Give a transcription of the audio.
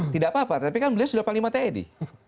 tidak apa apa tapi kan beliau sudah panglima tni